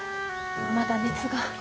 まだ熱が。